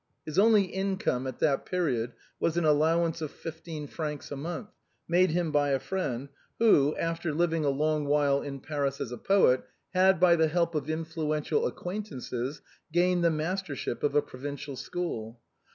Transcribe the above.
His only in come at that period was an allowance of fifteen francs a month, made him by a friend, who, after living a long while in Paris as a poet, had, by the help of influential acquaintances, gained the mastership of a provincial school.